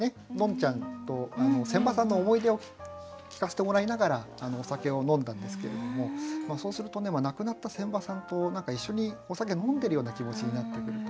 ちゃんと仙波さんの思い出を聞かせてもらいながらお酒を飲んだんですけれどもそうするとね亡くなった仙波さんと一緒にお酒飲んでるような気持ちになってくると。